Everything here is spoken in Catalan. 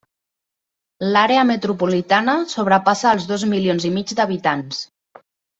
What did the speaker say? L'àrea metropolitana sobrepassa els dos milions i mig d'habitants.